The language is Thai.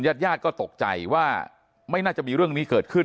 ญาติญาติก็ตกใจว่าไม่น่าจะมีเรื่องนี้เกิดขึ้น